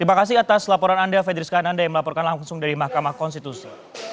terima kasih atas laporan anda fedris kananda yang melaporkan langsung dari mahkamah konstitusi